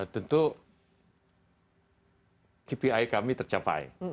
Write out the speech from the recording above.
tentu kpi kami tercapai